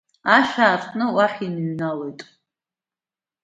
Ашә аартны уахь иныҩналоит.